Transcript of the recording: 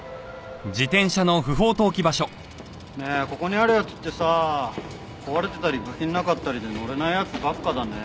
ねえここにあるやつってさ壊れてたり部品なかったりで乗れないやつばっかだね。